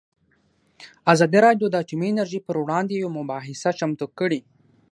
ازادي راډیو د اټومي انرژي پر وړاندې یوه مباحثه چمتو کړې.